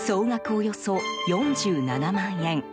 およそ４７万円。